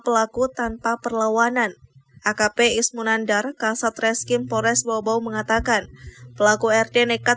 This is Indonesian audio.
pelaku tanpa perlawanan akp ismunandar kasat reskim pores bau bau mengatakan pelaku rd nekat